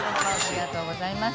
ありがとうございます。